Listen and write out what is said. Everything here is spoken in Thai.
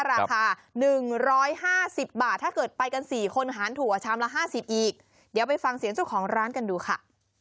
ราคา๑๕๐บาทถ้าเกิดไปกัน๔คนหารถั่วชามละ๕๐อีกเดี๋ยวไปฟังเสียงเจ้าของร้านกันดูค่ะ